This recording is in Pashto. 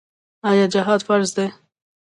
آیا جهاد فرض دی؟